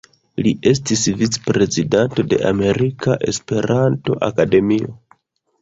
Li estis vic-prezidanto de Amerika Esperanto-Akademio.